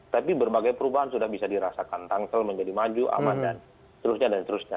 tapi berbagai perubahan sudah bisa dirasakan tangsel menjadi maju aman dan seterusnya dan seterusnya